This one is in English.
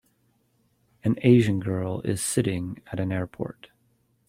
An Asian girl is sitting at an airport.